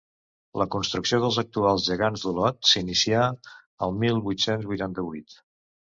La construcció dels actuals Gegants d'Olot s'inicià el mil vuit-cents vuitanta-vuit.